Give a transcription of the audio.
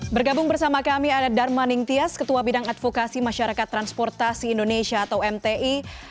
bergabung bersama kami ada dharma ningtyas ketua bidang advokasi masyarakat transportasi indonesia atau mti